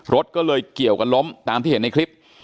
รถก็เลยเกี่ยวกันล้มตามที่เห็นในคลิป